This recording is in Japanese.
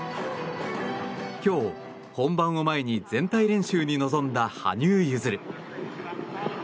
今日、本番を前に全体練習に臨んだ羽生結弦。